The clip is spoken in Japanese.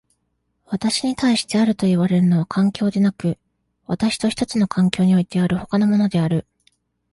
私に対してあるといわれるのは環境でなく、私と一つの環境においてある他のものである。